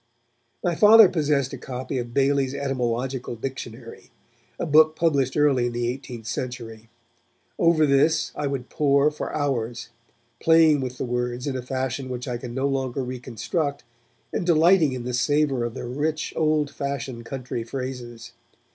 My Father possessed a copy of Bailey's 'Etymological Dictionary', a book published early in the eighteenth century. Over this I would pore for hours, playing with the words in a fashion which I can no longer reconstruct, and delighting in the savour of the rich, old fashioned country phrases.